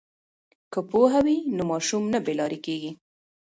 که پوهه وي نو ماشوم نه بې لارې کیږي.